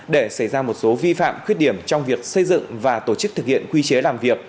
để xảy ra một số vi phạm khuyết điểm trong việc xây dựng và tổ chức thực hiện quy chế làm việc